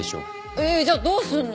えっじゃあどうすんの？